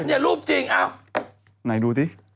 เนี่ยรูปจริงอ้าวไหนดูสิ